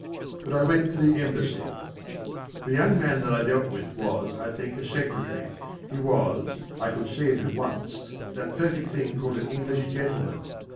But I went to the Embassy. The young man that I dealt with was, I think, a secretary. He was I could see it at once that perfect thing called an English gentleman.